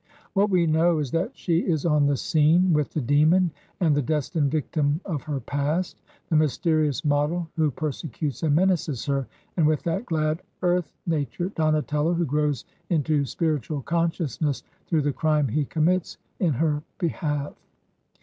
What we know is that she is on the scene, with the demon and the destined victim of her past: the mysterious model who persecutes and menaces her, and with that glad earth nature, Donatello, who grows into spiritual consciousness through the crime he com mits in her behalf.